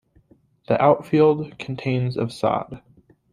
The outfield contains of sod.